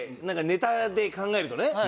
なんかネタで考えるとね。